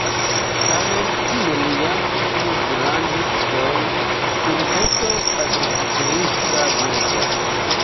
Tamen ĝi neniam pli grandis ol urbeto agrikulturista-burĝa.